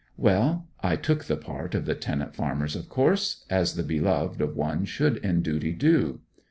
'Well, I took the part of the tenant farmers, of course, as the beloved of one should in duty do.'